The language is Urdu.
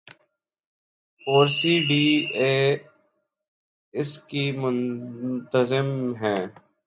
اورسی ڈی اے اس کی منتظم ہے۔